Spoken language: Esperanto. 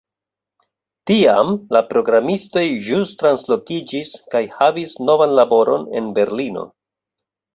Tiam la programistoj ĵus translokiĝis kaj havis novan laboron en Berlino.